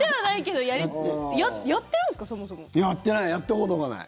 やったこともない。